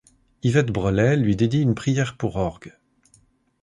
Yvette Brelet lui dédie une prière pour orgue.